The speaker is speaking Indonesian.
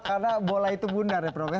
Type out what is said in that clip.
karena bola itu muntah ya prof ya